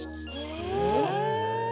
え！